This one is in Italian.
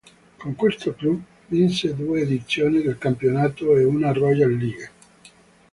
Con questo club, vinse due edizioni del campionato e una Royal League.